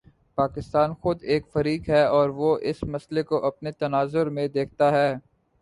پاکستان خود ایک فریق ہے اور وہ اس مسئلے کو اپنے تناظر میں دیکھتا ہے۔